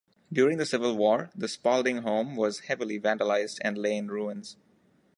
During the Civil War, the Spalding home was heavily vandalized and lay in ruins.